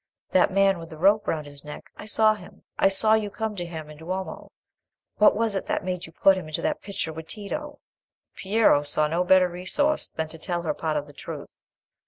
That man with the rope round his neck—I saw him—I saw you come to him in the Duomo. What was it that made you put him into a picture with Tito?" Piero saw no better resource than to tell part of the truth.